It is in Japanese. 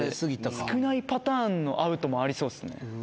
少ないパターンのアウトもありそうですね。